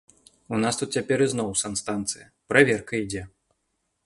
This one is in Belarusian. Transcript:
У нас тут цяпер ізноў санстанцыя, праверка ідзе.